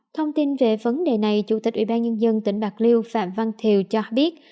thông tin về vấn đề này chủ tịch ubnd tỉnh bạc liêu phạm văn thiều cho biết